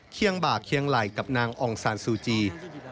เคียงบากเคียงไหลกับนางองค์ซานซูจี